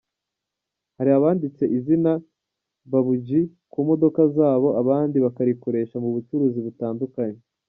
Hari abanditse izina Babuji ku modoka zabo abandi bakorikoresha mu bucuruzi butandukanye.